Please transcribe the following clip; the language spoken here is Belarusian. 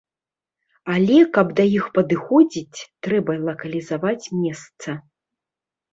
Але каб да іх падыходзіць, трэба лакалізаваць месца.